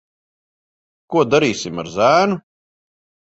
Ko darīsim ar zēnu?